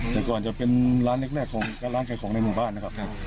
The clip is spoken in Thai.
แต่ก่อนจะเป็นร้านแรกของร้านขายของในหมู่บ้านนะครับ